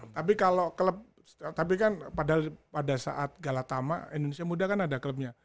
tapi kalau klub tapi kan pada saat galatama indonesia muda kan ada klubnya